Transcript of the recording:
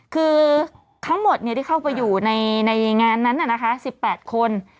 คือทั้งหมดที่เข้าไปอยู่ในงานนั้น๑๘คน